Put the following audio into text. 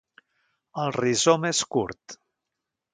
El rizoma és curt.